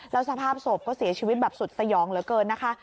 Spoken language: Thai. แล้วสภาพศพก็เสียชีวิตแบบสุดสยองเหลือเกินนะคะ